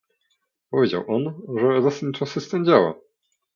Powiedział on, że zasadniczo system działa